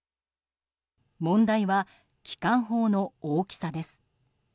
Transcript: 問題は機関砲の大きさです。